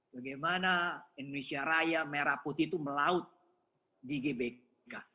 bagaimana indonesia raya merah putih itu melaut di gbk